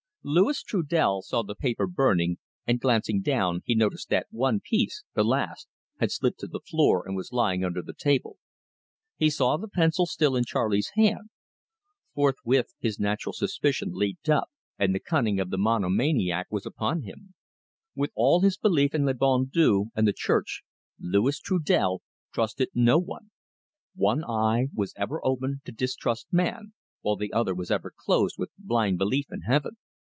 Louis Trudel saw the paper burning, and, glancing down, he noticed that one piece the last had slipped to the floor and was lying under the table. He saw the pencil still in Charley's hand. Forthwith his natural suspicion leaped up, and the cunning of the monomaniac was upon him. With all his belief in le bon Dieu and the Church, Louis Trudel trusted no one. One eye was ever open to distrust man, while the other was ever closed with blind belief in Heaven.